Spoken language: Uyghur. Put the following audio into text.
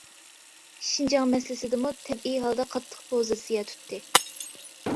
شىنجاڭ مەسىلىسىدىمۇ تەبىئىي ھالدا قاتتىق پوزىتسىيە تۇتتى.